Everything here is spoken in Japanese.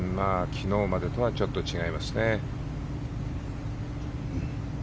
昨日までとはちょっと違いますね。